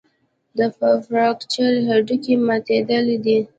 د فراکچر هډوکی ماتېدل دي.